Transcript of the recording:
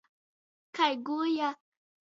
Kai guoja.